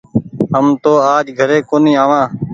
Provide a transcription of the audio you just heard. هم تو آج گهري ڪونيٚ آوآن ۔